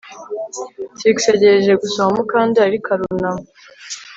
Trix yagerageje gusoma Mukandoli ariko arunama